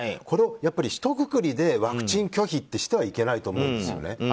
これを、ひとくくりでワクチン拒否ってしてはいけないと思うんですよね。